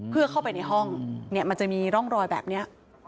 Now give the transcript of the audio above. เพื่อเข้าไปในห้องมันจะมีร่องรอยแบบนี้